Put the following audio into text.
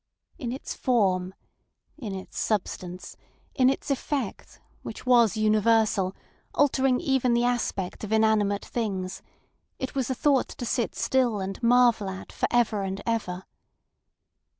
In its form, in its substance, in its effect, which was universal, altering even the aspect of inanimate things, it was a thought to sit still and marvel at for ever and ever.